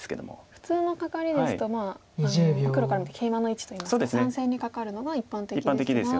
普通のカカリですと黒から見てケイマの位置といいますか３線にカカるのが一般的ですが。